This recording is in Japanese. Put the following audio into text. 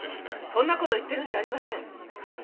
そんな事言ってるんじゃありません。